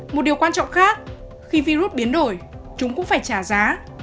một điều quan trọng khác khi virus biến đổi chúng cũng phải trả giá